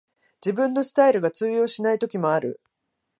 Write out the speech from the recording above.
自分のスタイルが通用しない時もある